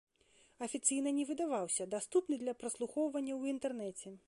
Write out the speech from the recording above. Афіцыйна не выдаваўся, даступны для праслухоўвання ў інтэрнэце.